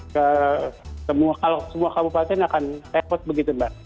kalau semua kabupaten akan repot begitu mbak